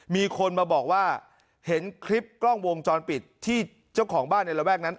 มีคนมาบอกว่าเห็นคลิปกล้องวงจรปิดที่เจ้าของบ้านในระแวกนั้น